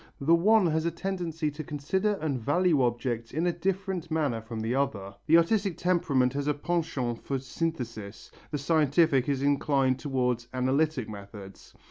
The one has a tendency to consider and value objects in a different manner from the other: the artistic temperament has a penchant for synthesis, the scientific is inclined towards analytic methods.